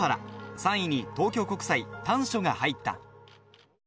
３位に東京国際・丹所が入った。